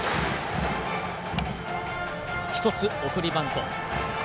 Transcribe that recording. １つ、送りバント。